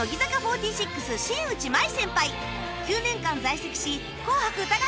９年間在籍し